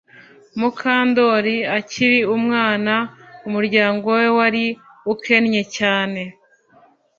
Mukandoli akiri umwana umuryango we wari ukennye cyane